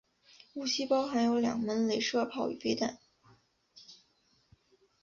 武器包含有两门雷射炮与飞弹。